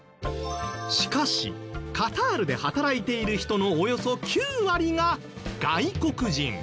しかしカタールで働いている人のおよそ９割が外国人。